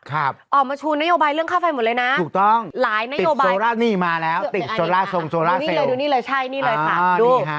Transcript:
ครับถูกต้องติดโซล่าเซลมีมาแล้วติดโซล่าเซลดูนี่เลยค่ะดู